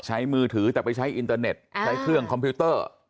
มือถือแต่ไปใช้อินเตอร์เน็ตใช้เครื่องคอมพิวเตอร์